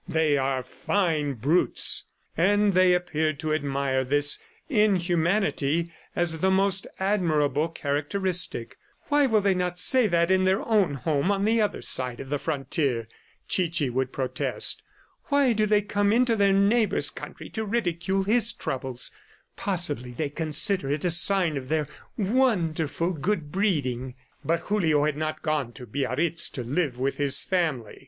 They are fine brutes!" And they appeared to admire this inhumanity as the most admirable characteristic. "Why will they not say that in their own home on the other side of the frontier?" Chichi would protest. "Why do they come into their neighbor's country to ridicule his troubles? ... Possibly they consider it a sign of their wonderful good breeding!" But Julio had not gone to Biarritz to live with his family. ...